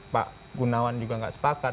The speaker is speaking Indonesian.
pak gunawan juga nggak sepakat